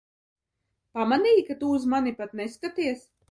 Pamanīji, ka tu uz mani pat neskaties?